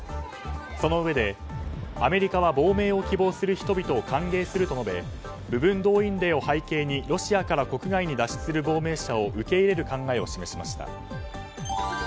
そのうえで、アメリカは亡命を希望する人々を歓迎すると述べ部分動員令を背景にロシアから国外に脱出する亡命者を受け入れる考えを示しました。